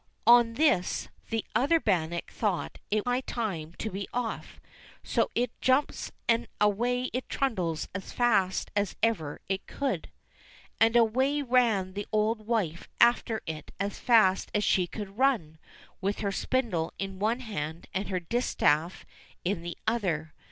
On this the other bannock thought it high time to be off, so up it jumps and away it trundles as fast as ever it could. 256 THE WEE BANNOCK 257 And away ran the old wife after it as fast as she could run with her spindle in one hand, and her distaff in the other.